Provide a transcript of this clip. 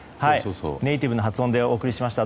ネイティブの発音でお送りしました。